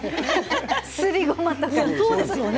すりごまとかね。